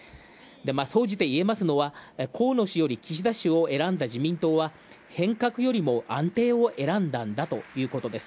総じていえますのが、河野氏よりも岸田氏を選んだ自民党は、変革よりも安定を選んだんだということです。